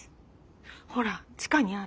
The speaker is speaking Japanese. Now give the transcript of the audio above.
ほら地下にある。